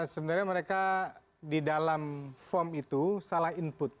sebenarnya mereka di dalam form itu salah input